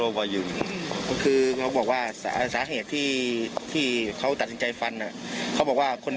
ก็คือเขาบอกว่าสาเหตุที่ที่เขาตัดสินใจฟันเขาบอกว่าคน